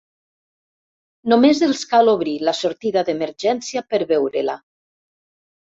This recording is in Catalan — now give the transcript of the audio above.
Només els cal obrir la sortida d'emergència per veure-la.